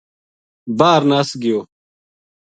باہر نَس گیو